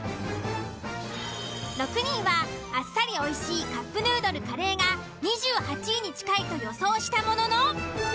６人はあっさりおいしいカップヌードルカレーが２８位に近いと予想したものの。